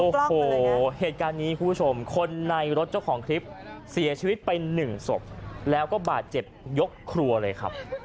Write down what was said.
โอ้โหเหตุการณ์นี้คุณผู้ชมคนในรถเจ้าของคลิปเสียชีวิตไปหนึ่งศพแล้วก็บาดเจ็บยกครัวเลยครับ